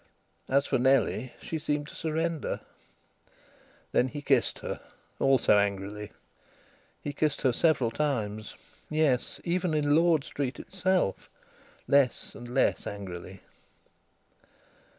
As for Nellie, she seemed to surrender. Then he kissed her also angrily. He kissed her several times yes, even in Lord Street itself less and less angrily.